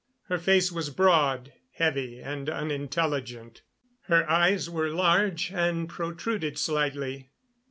Her face was broad, heavy and unintelligent. Her eyes were large and protruded slightly.